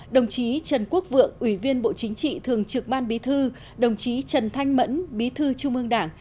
đồng chí trần quốc vượng ủy viên bộ chính trị thường trực ban bí thư đồng chí trần thanh mẫn bí thư trung ương đảng